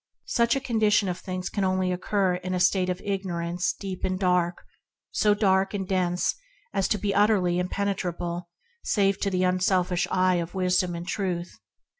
Such a condition of things can only obtain in a state of ignorance deep and dark; so dark and dense as to be utterly impenetrable save to the unselfish eye of wisdom and truth.